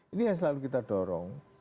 ini yang selalu kita dorong